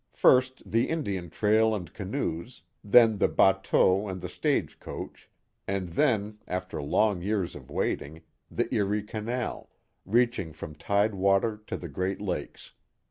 First the Indian trail and canoes, then the bateaux and the stage coach, and then, after long years of waiting, the Erie Canal, reaching from tidewater to the Great Lakes.